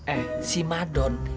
eh si madone